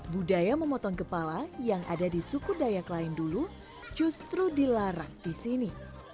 budaya memotong kepala yang ada di suku dayak lain dulu justru dilarang di sini